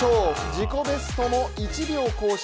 自己ベストも１秒更新。